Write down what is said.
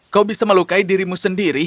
kau bisa melukai dirimu sendiri